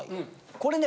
これね